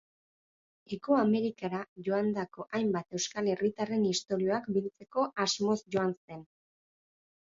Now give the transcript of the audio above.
Hego Amerikara joandako hainbat euskal herritarren istorioak biltzeko asmoz joan zen.